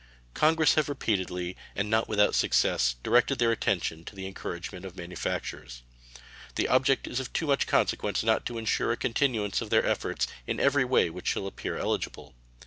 Congress have repeatedly, and not without success, directed their attention to the encouragement of manufactures. The object is of too much consequence not to insure a continuance of their efforts in every way which shall appear eligible.